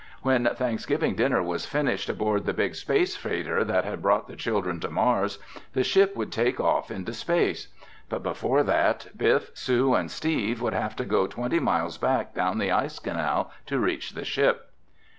When Thanksgiving dinner was finished aboard the big space freighter that had brought the children to Mars, the ship would take off into space. But before that, Biff, Sue and Steve would have to go twenty miles back down the ice canal to reach the ship.